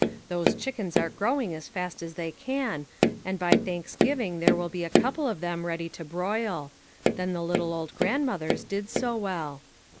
Those chickens are grow ing as fast as they can, and by Thanksgiving there will be a couple of them ready to broil ; then the little old grandmothers did so well."